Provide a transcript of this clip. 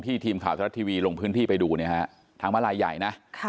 ทีมข่าวทรัฐทีวีลงพื้นที่ไปดูเนี่ยฮะทางมาลายใหญ่นะ